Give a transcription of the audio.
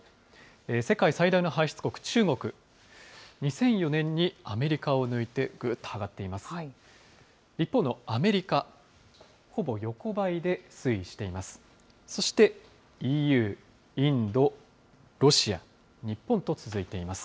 世界最大の排出国、中国、２００４年にアメリカを抜いて、ぐーっと上がっています。